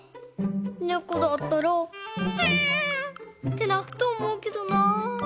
ねこだったら「にゃ」ってなくとおもうけどな。